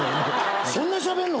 そんなしゃべんの？